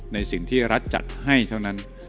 ในสิ่งที่รัฐจัดให้เท่านั้น